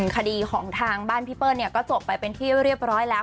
คดีของทางบ้านพี่เปิ้ลก็จบไปเป็นที่เรียบร้อยแล้ว